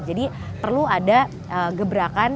jadi perlu ada gebrakan